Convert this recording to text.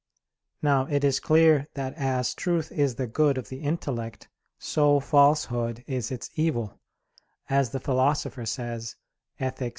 Now it is clear that as truth is the good of the intellect, so falsehood is its evil, as the Philosopher says (Ethic.